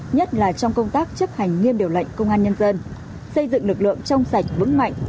nhất là trong công tác chấp hành nghiêm điều lệnh công an nhân dân xây dựng lực lượng trong sạch vững mạnh